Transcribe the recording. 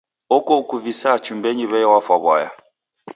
Oko ukuvisaa chumbenyi w'ei wafwa w'aya.